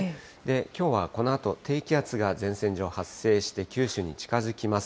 きょうはこのあと低気圧が前線上、発生して九州に近づきます。